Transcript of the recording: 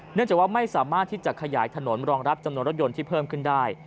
เนื่องจากว่าไม่สามารถที่จะขยายถนนรองรับจำนวนรถยนต์ที่เพิ่มขึ้นได้